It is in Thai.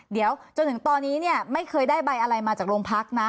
เดี๋ยวจนถึงตอนนี้เนี่ยไม่เคยได้ใบอะไรมาจากโรงพักนะ